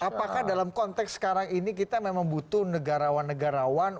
apakah dalam konteks sekarang ini kita memang butuh negarawan negarawan